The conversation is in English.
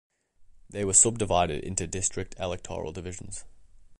They were subdivided into district electoral divisions.